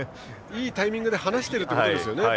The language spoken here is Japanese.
いいタイミングで離しているということですね。